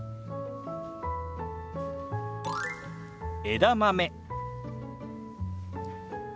「枝豆」。